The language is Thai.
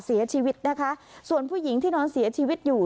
เสียชีวิตนะคะส่วนผู้หญิงที่นอนเสียชีวิตอยู่